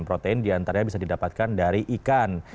protein diantaranya bisa didapatkan dari ikan